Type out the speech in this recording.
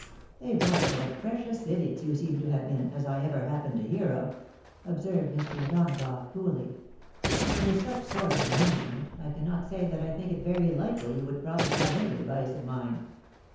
" A parcel of precious idiots you seem to have been as I ever happened to hear of," observed Mr. O'Donagough, coolly ;" and with such sort of management, I cannot say that I think it very likely you would profit by any advice of mine.